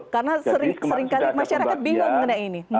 karena seringkali masyarakat bingung mengenai ini